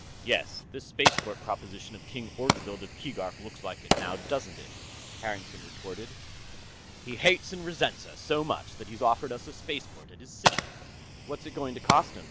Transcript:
"Yes, this spaceport proposition of King Orgzild of Keegark looks like it, now doesn't it?" Harrington retorted. "He hates and resents us so much that he's offered us a spaceport at his city...." "What's it going to cost him?"